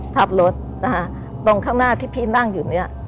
ตรงข้างหน้าที่พี่นั่งอยู่เนี่ย